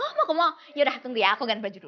hah mau ke mall yaudah aku nanti ya aku ganti baju dulu